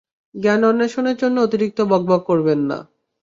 জ্ঞান অন্বেষণের জন্যে অতিরিক্ত বকবক করবেন না।